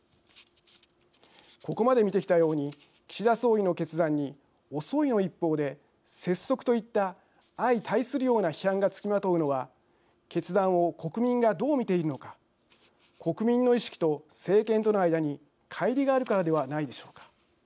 ここまで見てきたように岸田総理の決断に遅いの一方で拙速といった相対するような批判が付きまとうのは決断を国民がどう見ているのか国民の意識と政権との間にかい離があるからではないでしょうか。